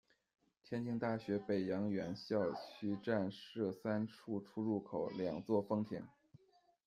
天津大学北洋园校区站设三处出入口、两座风亭。